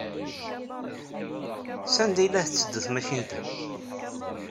Sanda ay la tetteddu tmacint-a?